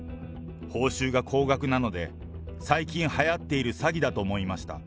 報酬が高額なので、最近はやっている詐欺だと思いました。